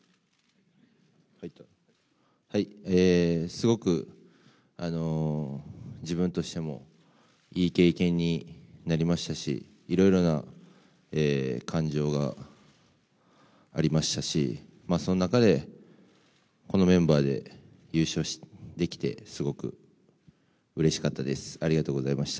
すごく自分としてもいい経験になりましたし、いろいろな感情がありましたし、その中で、このメンバーで優勝できてすごくうれしかったです。